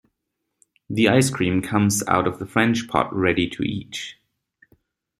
The ice cream comes out of the French Pot ready to eat.